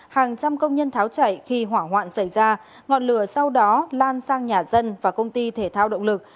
hàng trăm công nhân tháo chảy khi hỏa hoạn xảy ra ngọn lửa sau đó lan sang nhà dân và công ty thể thao động lực